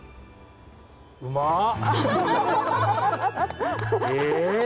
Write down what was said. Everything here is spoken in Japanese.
うまっ！え？